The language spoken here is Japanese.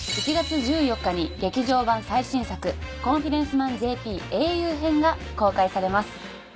１月１４日に劇場版最新作『コンフィデンスマンＪＰ英雄編』が公開されます。